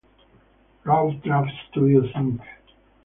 Rough Draft Studios, Inc.